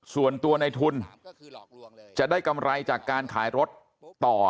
ส่วนตัวในทุนจะได้กำไรจากการขายรถต่อ